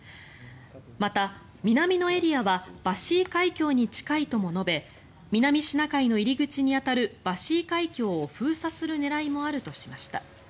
また、南のエリアはバシー海峡に近いとも述べ南シナ海の入り口に当たるバシー海峡を封鎖する狙いもあるとしました。